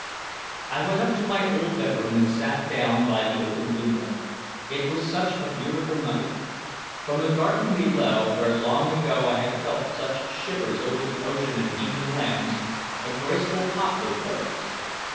I went up to my old bedroom and sat down by the open window. It was a beautiful night. From the garden below, where long ago I had felt such shivers over the ocean and heathen lands, a graceful poplar rose.